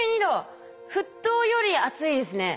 沸騰より熱いですね。